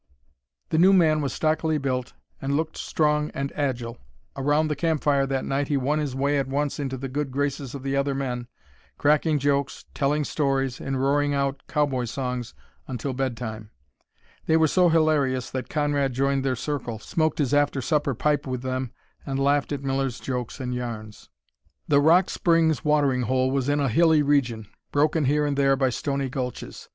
The new man was stockily built, and looked strong and agile. Around the campfire that night he won his way at once into the good graces of the other men, cracking jokes, telling stories, and roaring out cowboy songs until bedtime. They were so hilarious that Conrad joined their circle, smoked his after supper pipe with them, and laughed at Miller's jokes and yarns. The Rock Springs watering hole was in a hilly region, broken here and there by stony gulches.